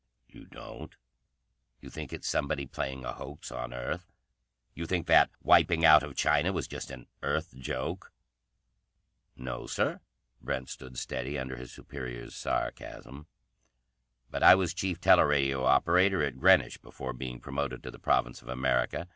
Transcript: "You don't? You think it's somebody playing a hoax on Earth? You think that wiping out of China was just an Earth joke?" "No, Sir." Brent stood steady under his superior's sarcasm. "But I was chief teleradio operator at Greenwich before being promoted to the Province of America.